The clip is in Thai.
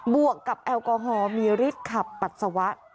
วกกับแอลกอฮอลมีฤทธิ์ขับปัสสาวะ